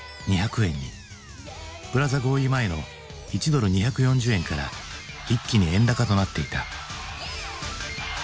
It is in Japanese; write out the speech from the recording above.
プラザ合意前の１ドル＝２４０円から一気に円高となっていた。